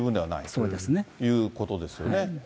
そうですね。ということですよね。